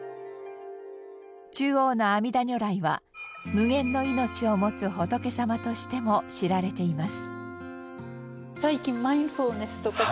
中央の阿弥陀如来は無限の命を持つ仏様としても知られています。